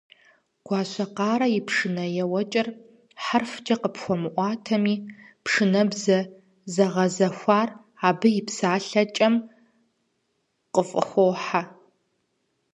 Гуащэкъарэ и пшынэ еуэкӀэр хьэрфкӀэ къыпхуэмыӀуатэми, пшынэбзэ зэгъэзэхуар абы и псэлъэкӀэм къыфӀыхохьэ.